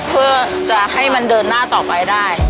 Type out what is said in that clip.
เพื่อจะให้มันเดินหน้าต่อไปได้